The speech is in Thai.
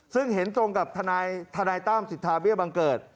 ซึ่งเห็นตรงกับทนายตั้มสิทธาเบี้ยบังเกิด